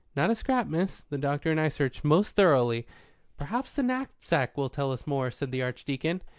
"Not a scrap, miss. The doctor and I searched most thoroughly." "Perhaps the knapsack will tell us more," said the Archdeacon.